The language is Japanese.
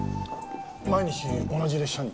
毎日同じ列車に？